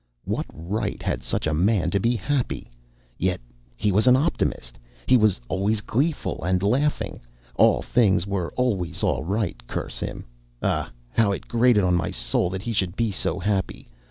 What right had such a man to be happy? Yet he was an optimist. He was always gleeful and laughing. All things were always all right, curse him! Ah I how it grated on my soul that he should be so happy!